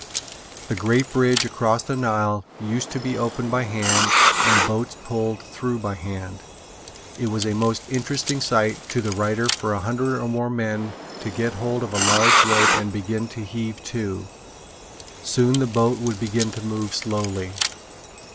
The great bridge across the Nile used to be opened by hand and boats pulled through by hand. It was a most interesting sight to the writer for a hundred or more men to get hold of a large rope and begin to heave to. Soon the boat would begin to move slowly.